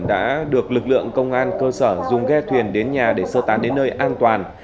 đã được lực lượng công an cơ sở dùng ghe thuyền đến nhà để sơ tán đến nơi an toàn